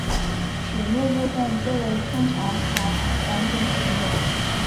曲目部分皆为通常盘完整曲目。